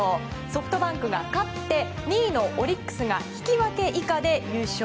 ソフトバンクが勝って２位のオリックスが引き分け以下で優勝。